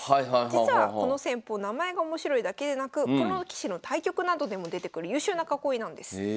実はこの戦法名前が面白いだけでなくプロ棋士の対局などでも出てくる優秀な囲いなんです。